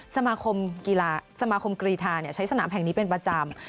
สมาคมกีฬาสมาคมกรีธาใช้สนามแห่งนี้เป็นประจำ